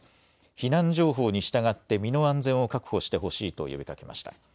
避難情報に従って身の安全を確保してほしいと呼びかけました。